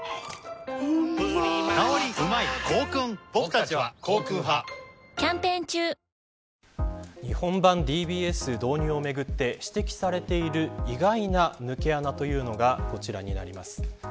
ただ一方で日本版ＤＢＳ導入をめぐって指摘されている意外な抜け穴というのがこちらになります。